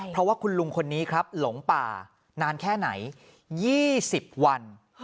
เพราะว่าคุณลุงคนนี้ครับหลงป่านานแค่ไหน๒๐วัน